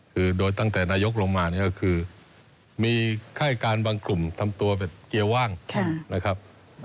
คือโดยตั้งแต่นายกลงมาเนี่ยก็คือมีค่ายการบางกลุ่มทำตัวแบบเกียร์ว่างนะครับ